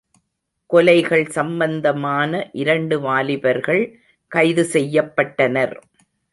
கொலைகள் சம்பந்தமான இரண்டு வாலிபர்கள் கைது செய்யப்பட்டனர்.